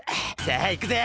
さあいくぜ！